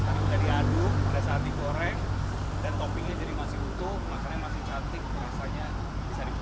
tadi sudah diaduk ada saat digoreng dan toppingnya jadi masih utuh rasanya masih cantik rasanya bisa dicoba